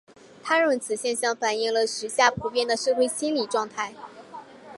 他认为此现象反映了时下普遍的社会心理状态。